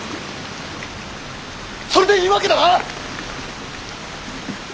それでいいわけだな？